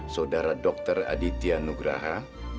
saudara dokter aditya nugraha